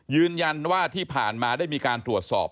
ยืนยันว่าที่ผ่านมาได้มีการตรวจสอบ